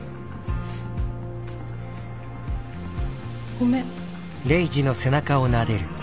ごめん。